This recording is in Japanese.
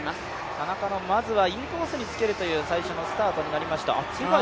田中のまずはインコースにつけるという最初になりました。